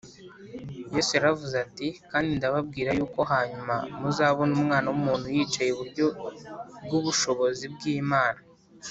yesu yaravuze ati, “kandi ndababwira yuko hanyuma muzabona umwana w’umuntu yicaye iburyo bw’ubushobozi bw’imana